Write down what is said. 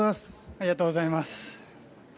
ありがとうございます。